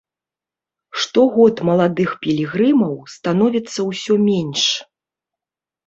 Штогод маладых пілігрымаў становіцца ўсё менш.